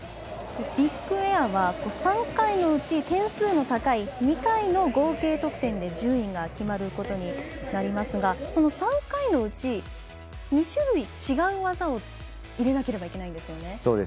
ビッグエアは３回のうち点数の高い２回の合計得点で順位が決まることになりますがその３回のうち２種類、違う技を入れなければいけないんですよね。